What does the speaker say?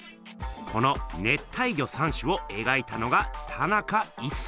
この「熱帯魚三種」をえがいたのが田中一村。